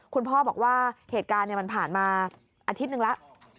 คุณพ่อบอกว่าเหตุการณ์มันผ่านมาอาทิตย์หนึ่งแล้ว